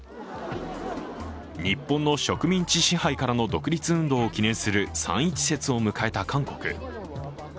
日本の植民地支配からの独立運動を記念する三・一節を迎えた韓国。